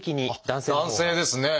男性ですね！